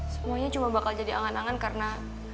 semuanya cuma bakal jadi angan angan karena